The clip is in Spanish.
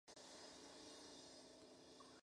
Calamaro reemplazaba a Alejandro O'Donell.